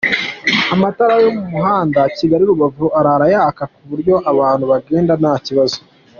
Amatara yo ku muhanda Kigali-Rubavu arara yaka ku buryo abantu bagenda nta kibazo.